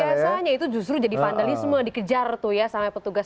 biasanya itu justru jadi vandalisme dikejar tuh ya sama petugas